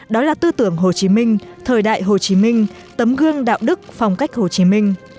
đó là tư tưởng hồ chí minh thời đại hồ chí minh tấm gương đạo đức phong cách hồ chí minh